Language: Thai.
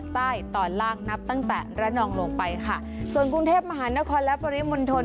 ใต้ตอนล่างนับตั้งแต่ระนองลงไปค่ะส่วนกรุงเทพมหานครและปริมณฑล